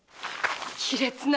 卑劣な！